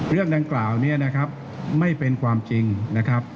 เรื่องดังกล่าวนี้นะครับไม่เป็นความจริงนะครับ